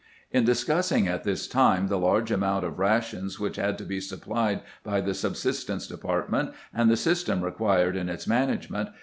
In discussing at this time the large amount of rations which had to be supplied by the subsistence depart ment, and the system required in its management.